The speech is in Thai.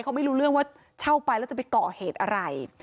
เขาไม่รู้เรื่องว่าเช่าไปแล้วจะไปก่อเหตุอะไร